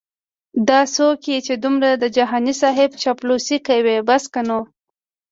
دا څوک یې چې دمره د جهانې صیب چاپلوسې کوي بس که نو